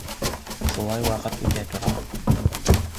Шулай ваҡыт үтә тора.